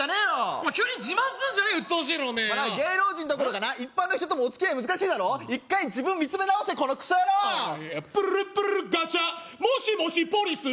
お前急に自慢すんじゃねえうっとうしいなおめえよ芸能人どころかな一般の人ともお付き合い難しいだろ一回自分見つめ直せこのクソヤロウプルルプルルガチャッもしもしポリス？